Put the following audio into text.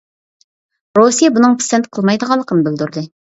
رۇسىيە بۇنىڭغا پىسەنت قىلمايدىغانلىقىنى بىلدۈردى.